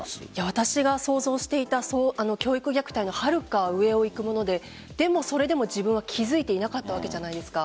私が想像していた教育虐待のはるか上をいくものでそれでも自分は気づいていなかったわけじゃないですか。